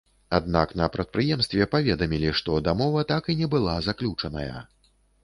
Аднак на прадпрыемстве паведамілі, што дамова так і не была заключаная.